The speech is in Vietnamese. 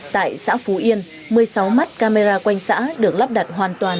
tại xã phú yên một mươi sáu mắt camera quanh xã được lắp đặt hoàn toàn